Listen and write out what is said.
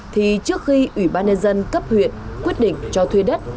thì trước khi ủy ban nhân dân cấp huyện quyết định cho thuê đất